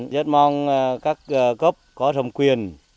rất mong các cấp có thông quyền